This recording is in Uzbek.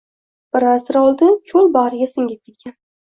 Bir asr oldin cho‘l bag‘riga singib ketgan